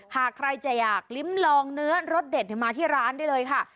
หากใครจะอยากลิ้มลองเนื้อรสเด็ดมาที่ร้านได้เลยค่ะ